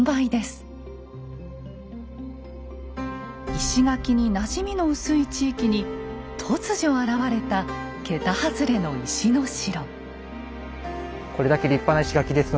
石垣になじみの薄い地域に突如現れた桁外れの石の城。